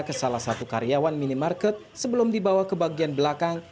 ke salah satu karyawan minimarket sebelum dibawa ke bagian belakang